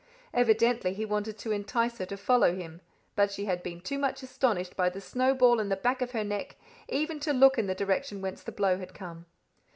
Evidently he wanted to entice her to follow him; but she had been too much astonished by the snowball in the back of her neck even to look in the direction whence the blow had come.